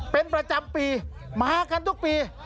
เป็นประจำปีมากันทุกปี